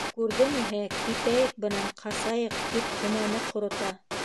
Күрҙе ниһә: «Китәйек бынан, ҡасайыҡ!» - тип һенәне ҡорота.